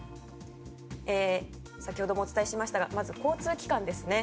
先ほどもお伝えしましたがまず交通機関ですね。